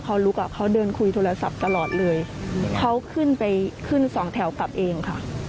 เขาลุกอ่ะเขาเดินคุยโทรศัพท์ตลอดเลยเขาขึ้นไปขึ้นสองแถวกลับเองค่ะ